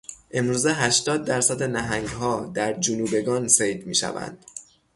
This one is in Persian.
امروزه هشتاد درصد نهنگها در جنوبگان صید میشوند.